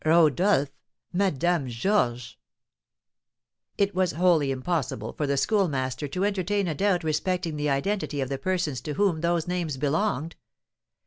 "Rodolph! Madame Georges!" It was wholly impossible for the Schoolmaster to entertain a doubt respecting the identity of the persons to whom those names belonged.